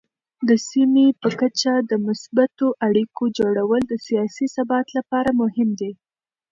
د سیمې په کچه د مثبتو اړیکو جوړول د سیاسي ثبات لپاره مهم دي.